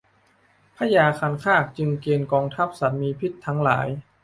พญาคันคากจึงเกณฑ์กองทัพสัตว์มีพิษทั้งหลาย